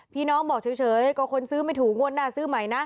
น้องบอกเฉยก็คนซื้อไม่ถูกงวดหน้าซื้อใหม่นะ